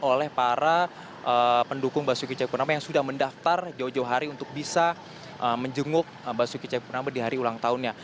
oleh para pendukung basuki cahayapurnama yang sudah mendaftar jauh jauh hari untuk bisa menjenguk basuki cahayapurnama di hari ulang tahunnya